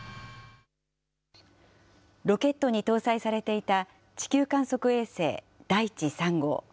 ロケットに搭載されていた地球観測衛星だいち３号。